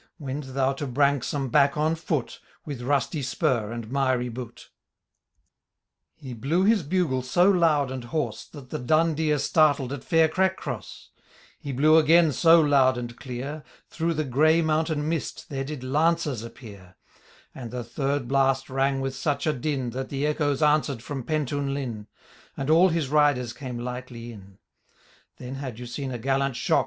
Wend thou to Branksome back on foot. With rusty spur and mirv boot"— gitized by Google Oxnto IV. THB LAST MINSTRKU 89 He blew fais bugle so loud and hoarse. That the dun deer startled at fiiir Craikcroas ; He blew again so loud and clear. Through the gray mountain mist there did lances appear; And the third blast rang with su<^ a d|n. That the echoes answered from Pentoun linn. And all his riders came lightly in. Then had you seen a gallant shock.